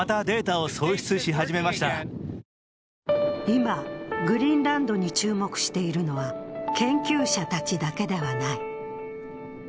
今、グリーンランドに注目しているのは研究者たちだけではない。